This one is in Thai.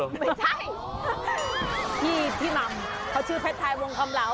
ไม่ใช่พี่หม่ำเขาชื่อเพชรไทยวงคำเหลา